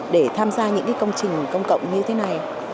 để tham gia những công trình công cộng như thế này